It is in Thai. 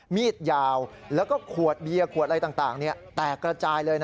มีดยาวแล้วก็ขวดเบียร์ขวดอะไรต่างแตกระจายเลย